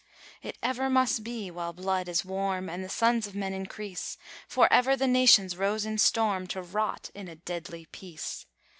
It ever must be while blood is warm and the sons of men increase; For ever the nations rose in storm, to rot in a deadly peace.